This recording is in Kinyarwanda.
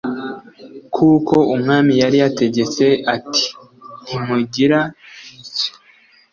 kuko umwami yari yategetse ati Ntimugira icyo